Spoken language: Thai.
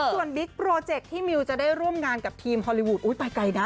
ส่วนบิ๊กโปรเจคที่มิวจะได้ร่วมงานกับทีมฮอลลีวูดไปไกลนะ